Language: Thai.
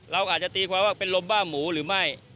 เราอาจจะตีความว่าเป็นลมบ้าหมูหรือไม่